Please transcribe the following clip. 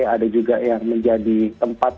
ada juga yang menjadi tempat